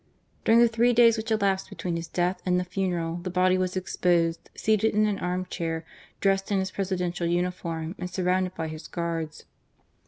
During the three days which elapsed between his death and the funeral the body was exposed, seated in an arm chair, dressed in bis presidential uniform and surrounded by his guards.